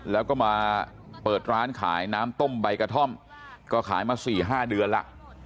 แล้วก็มาเปิดร้านขายน้ำต้มใบกระท่อมก็ขายมา๔๕เดือนแล้ว